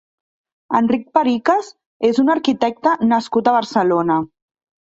Enric Pericas és un arquitecte nascut a Barcelona.